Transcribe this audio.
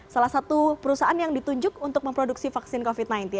salah satu perusahaan yang ditunjuk untuk memproduksi vaksin covid sembilan belas